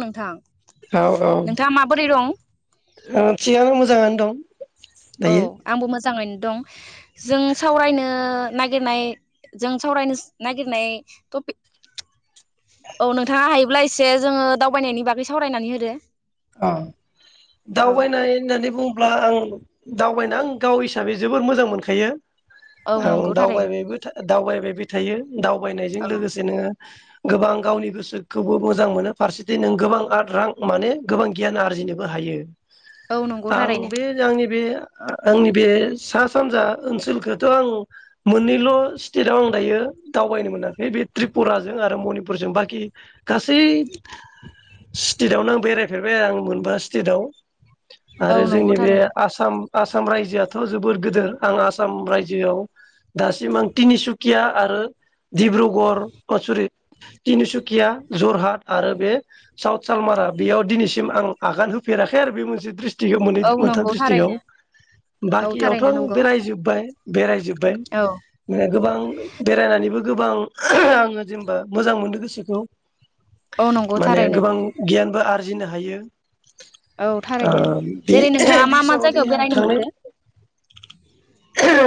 नोंथां औ -औ नोंथाङा माबोरै दं [unintelligible] मोजाङानो दं औ दायो आंबो मोजां जाङैनो दं जों सावरायनो नागिरनाय जों सावरायनो नागिरनाय टपिक औ नोंथाङा हायोब्ला एसे जोंङो दावबायनायनि बागै सावरायनानै होदो अ औ दावबायनाय होननानै बुं ब्ला आं दावबायनो आं गाव हिसाबै जोबोर मोजां मोनखायो औ आं नंगौ थारैनो दावबायबायबो थांदो दावबायबो थायो दावबायनायजों औ लोगोसे नो गोबां गावनि गोसो खौबो मोजां मोनो फारसेथिं नों गोबां आर रां माने गोबां गियान आरजिनोबो हायो औ नंगौ आं थारैनो बे जोंनि बे आंनि बे सा सानजा ओनसोलखौथ' आं मोननैल' स्टेटाव आं दायो दावबायनो मोनाखै बे त्रिपुराजों आरो मनिपुरजों बाखि गासै स्टेटावनो आं बेराय फेरबाय आं मोनबा स्टेटआव। औ आरो नंगौ जोंनि बे थारैनो आसाम। आसाम रायजोआथ' जोबोद गोदोर आं आसाम रायजोआव। दासिम आं तिनिसुकिया। आरो डब्रुगररि ओ सरि तिनसुकिया जरहाट आरो बे साउथ सालमारा बेयाव। दिनैसिम आं आगान होफेराखै आरो बे मोनसे द्रिस [unintelligible] मोनै औ मोनथाम नंगौ द्रिस्ट्रिक्टआव थारैनो औ बाखियावथ' थारैनो आं नंगौ बेरायजोब्बाय बेरायजोबबाय औ गोबां बेरायनानैबो गोबां आङो जेनेबा मोजां मोनदों गोसोखौ। औ नंगौ माने थारैनो गोबां गियानबो आ होननो हायो। औ ओ थारैनो बे जेरै बे नोंथाङा मा मा हिसाबाव दिनै जायगायाव आं बेरायनो थांनाय मोनखो?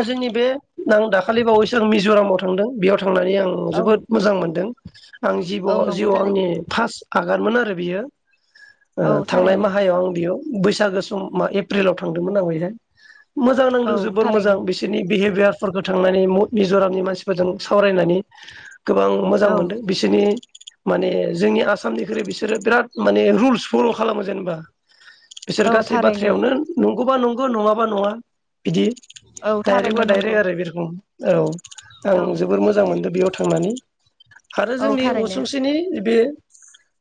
जोंनि बे आं दाखालि बावैसो आं मिज'रामाव थांदों बेयाव थांनानै आं औ जोबोद मोजां मोनदों। आं जिब' औ नंगौ जिउ थारैनो आंनि फार्स्ट। आगानमोन आरो बियो। औ थांनाय थारैनो माहायाव आं बेयाव बैसागो सम मा एप्रिलाव थांदोंमोन आं बेहाय। मोजां औ नांदों जोबोर थारैनो मोजां बिसोरनि बिहेभियारफोरखौ थांनानै मिज'रामनि मानसिफोरजों सावरायनानै। गोबां मोजां औ मोनदों बिसोरनि माने जोंनि आसामनिख्रुइ बिसोरो बिराद माने रुल्स फल' खालामो जेनेबा। बिसोर औ गासै थारैनो बाथ्रायावनो न गौबा नंगौ नङाबा नङा। बिदि औ डाइरेक्ट थारैनो बा डाइरेक्ट नंगौ आरो बि रखम। औ। औ आं जोबोर मोजां मोनदों बेयाव थांनानै। आरो औ जोंनि थारैनो असुंसेनि बे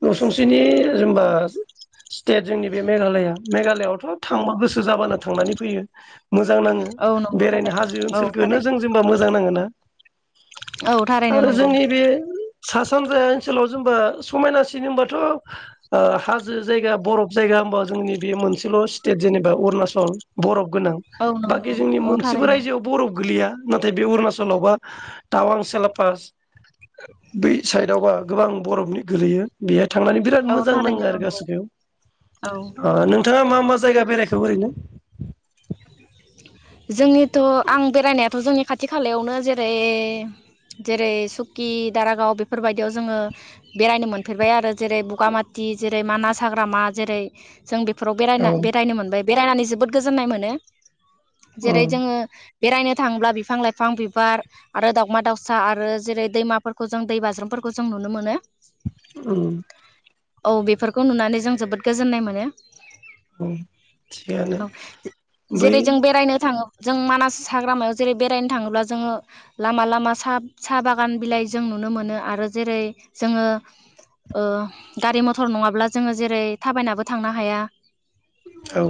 नसुंसेनि [inaudible] स्टेट जोंनि बे मेघालया मेघालयआव थ' थांबा गोसो जाबानो थांनानै फैयो। मोजां नाङो औ नंगौ बेरायनो थारैनो हाजो औ ओनसोलखोनो थारैनो जों जेनबा मोजां नाङो ना औ थारैनो आरो नंगौ जोंनि बे सास सानजाया ओनसोलाव जेनेबा समायनासिन होनबाथ ओ हाजो जायगा बरफ जायगा होमबा जोंनि बे मोनसेल स्टेट जेनेबा अरुणाचल बरफ गोनां औ बाखि नंगौ जोंनि औ मोनसेबो थारैनो रायजोआव ब'रफ गोलैया नाथाय बे अरुणाचलावबा टावां सेलापास बै साइडआवबा गोबां बरफनि गोलैयो बे थांनानै बिराद औ मोजां मोजां थारैनो नाङो आरो नंगौ गासै बेयाव औ अ नोंथाङा मा मा जायगा बेरायखो ओरैनो जोंनिथ'आं बेरायनायाथ' जोंनि खाथि खालायावनो जेरै जेरै सुकि दारागाव बेफोरबायदियाव जोंङो बेरायनो मोनफेरबाय आरो जेरै बुगामा दि जेरै मानास हाग्रामा जेरै जों बेफोराव औ बेरायना बेरायनो मोनबाय बेरायनानै जोबोद गोजोननाय मोनो जेरै उम जोंङो बेरायनो थाङोब्ला बिफां लाइफां बिबार आरो दावमा दाउसा आरो जेरै दैमाफोरखौ जों दै बाज्रुमफोरखौ जों नुनो मोनो ओं औ बेफोरखौ नुनानै जों जोबोद गोजोननाय मोनो अ थिगानो बै जेरै जों बेरायनो थां थांङो जों मानास हाग्रामायाव जेरै बेरायनो थांङोब्ला जोंङो लामा लामा साब सा बागान बिलाइ जों नुनो मोनो आरो जेरै जोंङो ओ गारि मथर नंङाब्ला जोंङो जेरै थाबायनाबो थांनो हाया औ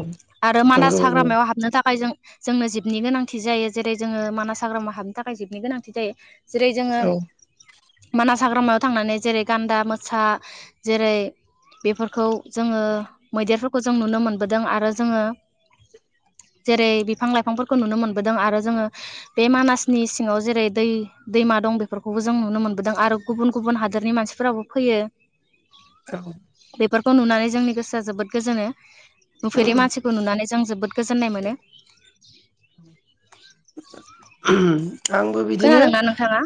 आरो मानास नंगौ नंगौ हाग्रामायाव हाबनो थाखाय जों जोंनो जिबनि गोनांथि जायो जेरै जोंङो मानास हाग्रामा हाबनो थाखाय जिबनि गोनांथि जायो जेरै जोंङो औ मानास हाग्रामायाव थांनानै जेरै गान्दा मोसा जेरै बेफोरखौ जोंङो मैदेरफोरखौ जों नुनो मोनबोदों आरो जोंङो जेरै बिफां लाइफांफोरखौ नुनो मोनबोदों आरो जोंङो बे मानासनि सिङाव जेरै दै दैमा दं बेफोरखौबो जों नुनो मोनबोदों आरो गुबुन गुबुन हादरनि मानसिफोराबो फैयो औ बेफोरखौ नुनानै जोंनि गोसोआ जोबोद गोजोनो नुफेरि मानसिखौ नुनानै जोबोद गोजोननाय मोनो [unintelligible] आंबो बिदिनो खोनादोंना नोंथाङा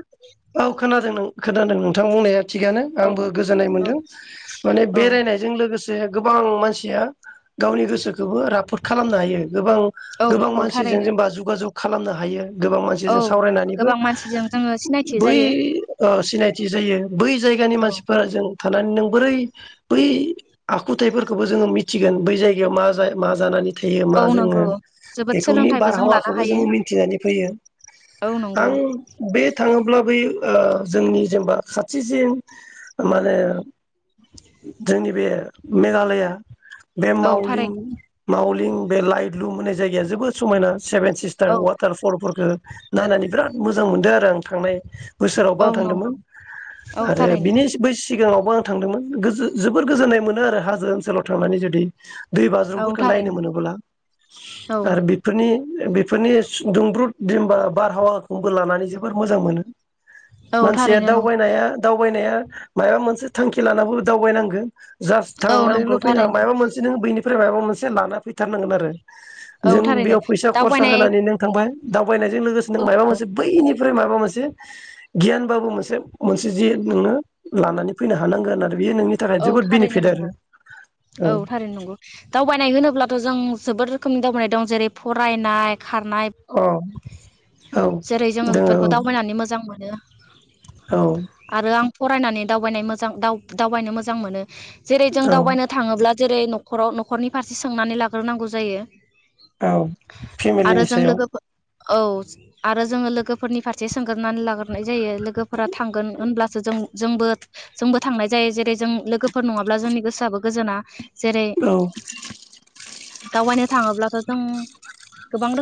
औ खोनादों खोनादों नोंथां बुंनाया थिगानो औ आंबो गोजोननाय औ मोनदों माने औ बेरायनायजों लोगोस जे गोबां मानसिया गावनि गोसोखौबो राफोद खालामनो हायो गोबां औ गोबां नंगौ मानसिजों थारैनो जेनेबा जगा जग खालामनो हायो गोबां औ मानसिजों सावरायनानैबो गोबां मानसिजों जोङो सिनायथि बै जायो ओ सिनायथि जायो बै जायगानि औ मानसिफोरा जों थानानै नों बोरै बै आखुथायइफोरखौबो जोङो मिथिगोन बै जायगायाव मा जाय मा जानानै थायो औ मा जोङो नंगौ जोबोद बेखौनि सोलोंथाइबो जों लानो बारहावाखौबो जों हायो मिथिनानै फैयो औ नंगौ आं बे थाङोब्ला बै ओ जोंनि जेनेबा खाथिसिन मा होने जोंनि बे मेघालया बे औ मावलिं थारैनो मावलिं बे लाइट लुम होननाय जायगाया जोबोद समायना सेभेन सिस्टार औ वाथ फलफोरखौ नायनानो बिराद मोजां मोनदों आरो आं थांनाय बोसोरावबो औ आं नंगौ थांदोंमोन औ आरो थारैनो बिनिस बैस सिगाङावबो आं थांदोंमोन गोजो जोबोर गोजोननाय मोनो आरो हाजो ओनसोलाव थांनानै जुदि दै औ बाज्रुमफोरखौ नायनो थारैनो मोनोब्ला औ आरो बेफोरनि बे फोरनि दुंब्रुद दिनबा बारहावाखौबो लानानै जोबोर मोजां मोनो औ मानसिया थारैनो नंगौ दावबायनाया दाव दावबायनाया मायबा मोनसे थांखि लानानैबो दावबायनांगो जास्ट औ नंगौ थांनायल' फैना थारैनो मायबा मोनसे नों बैनि फ्राय माबा मोनसे लाना फैथारनांगोन आरो औ जों थारैनो बेयाव फैसा खरसा दावबायनाय होनानै नों दावबायनायजों लोगोसे नों मायबा मोनसे बैनिफ्राय माबा मोनसे गियानबाबो मोनसे मोनसे जि नोंनो लानानै फैनो हानांगोन होननानै औ थारैनो नंगौ औ थारैनो नंगौ दावबायनाय होनोब्लाथ' जों जोबोद रोखोमनि दावबायनाय दं जेरै फरायनाय खारनाय औ अ औ जेरै जोङो बेफोरखौ दावबायनानै मोजां मोन [unintelligible] औ फरायनानै दावबायनाय मोजां दाव दावबायनो मोज जां मोनो जेरै जों औ दावबायनो थाङोब्ला जेरै न'खराव न'खरनि फारसे सोंनानै लाग्रोनांगौ जायो औ आरो फेमिलिनि जों सायाव लोगोफोर औ आरो जोंङो लोगोफोरनि फारसे सोंगोरनानै लाग्रोनाय जायो लोगोफोरा थांगोन होनब्लासो जों जोंबो जोंबो थांनाय जायो जेरै जों लोगोफोर नंङाब्ला जोंनि गोसोआबो गोजोना जेरै औ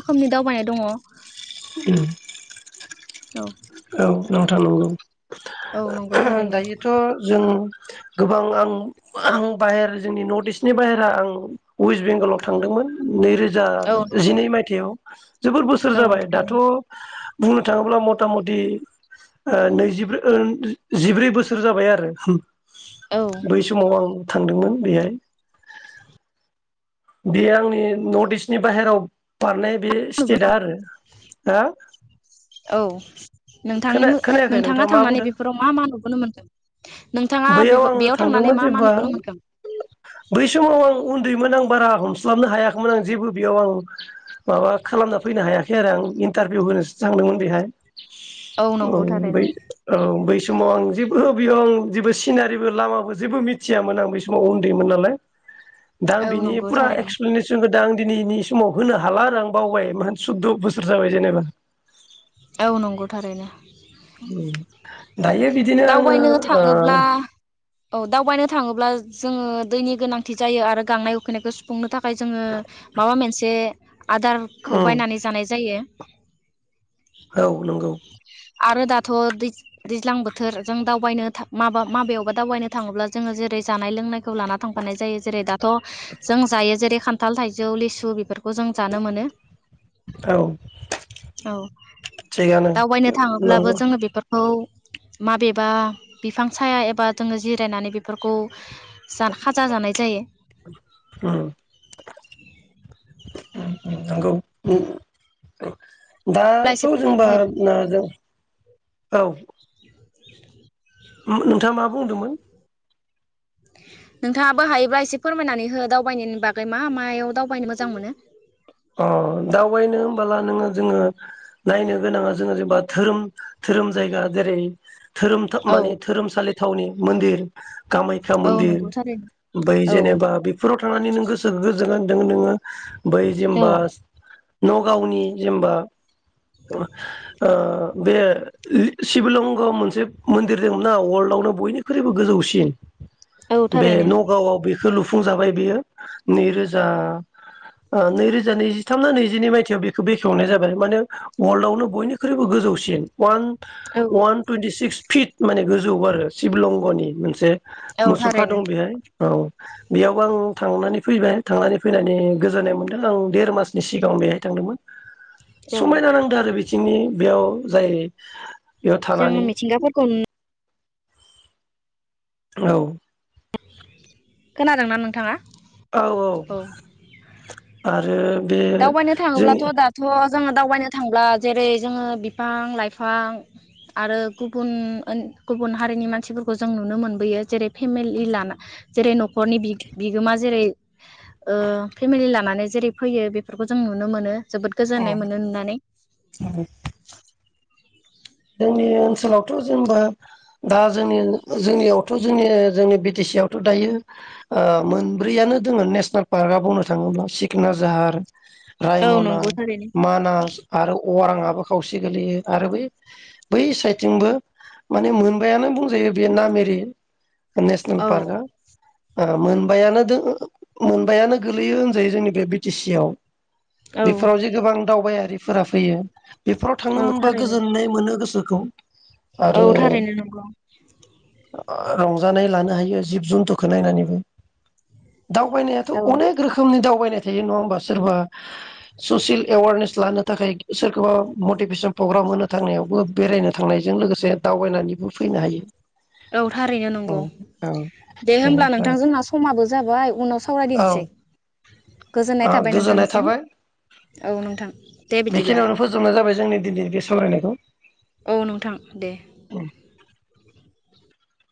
रोखोमनि दावबायनाय दंङ उम औ औ नोंथां नंगौ औ नंगौ थारैनो दायोथ' जों गोबां आं आं बाहेर जोंनि नर्थ इस्टनि बाहेरा आं वेस्ट बेंगलाव थांदोंमोन नैरोजा औ नंगौ जिनै मायथाइयाव जोबोर बोसोर औ जाबाय दाथ थारैनो बुंनो थांङोब्ला मथा मथ दि ओ नैजिब्रै ओ जिब्रै बोसोर जाबाय आरो औ बै समाव आं थांदोंमोन। बेहाय बेयो आंनि नर्थ इस्टनि बाहेराव बारनाय बे सिथेठ आ आरो हो औ नोंथांनि खोना खोनायाखै नोंथाङा मा थांनानै बुंदों बेफोराव मा मा नुबोनो मोनखो नोंथाङा बैयाव आंङो बेयाव थांनानै थांदोंमोन मा मा जेब्ला नुबोनो मोनखो बै समाव आं उन्दै मोन बारा हमस्लाबनो हायाखैमोन आं जेबो बेयाव आं माबा खालामना फैनो हायाखै आरो आं इन्टारभिउ होनोसो थांदोंमोन बेहाय औ नंगौ बै थारैनो औ बै बे समाव आं जेबो बेयावं जेबो सिनारिबो लामाबो जेबो मिथियामोन आं बे समाव उन्दैमोन नालाय दा आं औ बिनि नंगौ हा थारैनो एक्सप्लेनेसन होदा आं दिनैनि समाव होनो हाला आरो आं बावबाय म बुद्दि बोसोर जाबाय जेनेबा औ नंगौ थारैनो औ दावबायनो थांङोब्ला औ दावबायनो थानङोब्ला जोंङो दैनि गोनांथि जायो आरो गांनाय उखैनायखौ सुफुंनो थाखाय जोंङो माबा मोनसे आदारखौ ओ ओम बायनानै जानाय जायो औ नंगौ आरो दाथ दैज्लां बोथोर जों दावबायनो माबा माबायावबा दावबायनो थाङोब्ला जोंङो जेरै जानाय लोंनाय खौ लाना थांफानाय जायो जेरै दा थ जों जायो जेरै खान्थाल थाइजौ लिसु बेफोरखौ खौ जों जानो मोनो औ औ थिगानो दावबायनो थांङोब्लाबो नंगौ जोंङो बे औ माबेबा बिफां साया एबा जोंङो जिरायनानै बेफोरखौ जान खाजा जानाय जायो ओम ओं ओं नंगौ औ ओ दाथ जायो जोंबा नाजों औ [inaudible] ओम नोंथाङा मा बुंदोंमोन नोंथाङाबो हायोब्ला एसे फोरमायनानै हो दावबायनायनि बागै मा मायाव दावबायनो मोजां मोनो अ दावबायनो ब्ला नोंङो जोंङो नायनो गोनाङा जोंङो जेनेबा धोरोम-धोरोम जायगा जेरै धोरोम थ औ माने धोरोमसालि थावनि मन्दिर कामाख्या औ मन्दिर नंगौ थारैनो बै औ जेनेबा बेफोराव थांनानै नों गोसोखो गो [unintelligible] बै जेनबास नगावनि जेनबा ओ बे शिबलंग मोनसे मन्दिर दं ना वर्ल्डआवनो बयनिख्रुइबो गोजौसिन औ बे थारैनो नगावआव बे खौ लुफुंजाबाय बियो नैरोजा नैरोजा नैजिथाम ना नैजिनै मायथाइयाव बेखौ बेखेवनाय जाबाय मानो वर्ल्डआवनो बयनिख्रुइबो गोजौसिन वान औ वान टुइन्टि सिक्स फिट माने गोजौ आरो शिबलंगनि मोनसे औ मुसुखा थारैनो दं बेहाय औ बेयाव आं थांनानै फैबाय थांनानै फैनानै गोजोननाय मोन दों औ देर मासनि सिगांआव बेहाय थांदोंमोन औ समायना नांदो आरो बिथिंनि बेयाव जाय बेयाव थानानै जोंङो मिथिंगाफोरफोरखौ औ खोनादोंना नोंथाङा औ औ आरो बे दावबायनो जोंनि थांङोब्लाथ दाथ जोंङो दावबायनो थांब्ला जेरै जोंङो बिफां लाइफां आरो गुबुन ओन गुबुन हारिनि मानसिफोरखौ जों नुनो मोनबोयो जेरै फेमिलि लाना जेरै नखरनि बि-बिगोमा जेरै ओ फेमेलि लाब माने जेरै फैयो बेख, फोरखौ जों नुनो मोनो।। जोबोद गोजोननाय मोनो नुनानै जोंनि ओनसोलावथ' जोंबो दा जोंनि जोंनियावथ' जोंनि जोंनि बि टि सि आवथ' दायो ओ मोनब्रैयानो दोङो नेसनेल पार्कआ बुंनो थांङोब्ला सिखना जाहार औ रायमना नंगौ थारैनो मानास आरो अ अङांआबो खावसे गोलैयो आरो बै बै साइडथिंबो माने मोनबायानो बुंजायो बे नाम एरि नेसनेल औ पार्का ओ मोनबायानो दो मोनबायानो गोलैयो होनजायो जोंनि बे बि टि सि आव। औ बेफोराव जे गोबां दावबायारि फोरा फैयो। बेफोराव थांनो औ मोनबा थारैनो गोज गोजोननाय मोनो गोसो खौ औ थारैनो नंगौ। ओ रंजानाय लानो हायो जिब जुन्थुखौ नायनानैबो। दावबायनायाथ औ अनेक रोखोमनि दावबाय फैबाय थायो नंङा होमबा सोरबा ससियेल एवारनेस लानो थाखाय सोरखौबा मटिभेसन प्रग्राम मोनो। थांनायावबो बेरायनो थांनायजों लोगोसे दावबायनानैबो फैनो हायो। औ थारैनो नंगौ उम औ दे होमब्ला बेनिफ्राय नोंथां जोंहा समाबो जाबाय उनाव औ सावरायदिनिसै गोजोननाय ओ थाबाय गोजोननाय नोंथांसिम थाबाय औ नोंथां दे बिदिब्ला बेखिनियावनो फोजोबनाय जाबाय जोंनि दिनै बे सावरायनाय खौ औ नोंथां दे